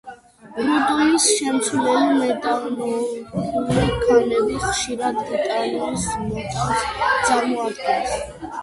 რუტილის შემცველი მეტამორფული ქანები ხშირად ტიტანის მადანს წარმოადგენს.